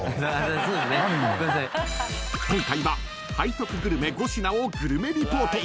［今回は背徳グルメ５品をグルメリポート］